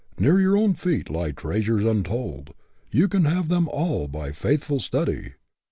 Near your own feet lie treasures untold; you can have them all by faithful study.